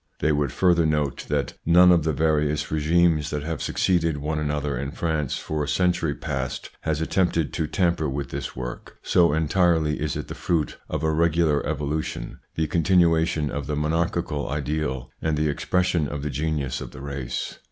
They would further note that none of the various regimes that have succeeded one another in France for a century past has attempted to tamper with this ITS INFLUENCE ON THEIR EVOLUTION 133 work, so entirely is it the fruit of a regular evolu tion, the continuation of the monarchical ideal and the expression of the genius of the race.